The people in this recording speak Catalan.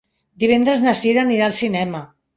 Divendres na Cira anirà al cinema.